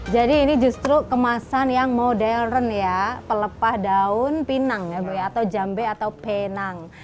jadi ini justru kemasan yang modern ya pelepah daun pinang atau jambe atau penang